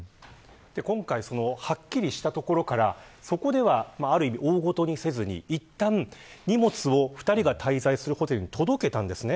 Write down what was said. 今回、はっきりしたところからそこではある意味、大事にせずにいったん、荷物を２人が滞在するホテルに届けたんです。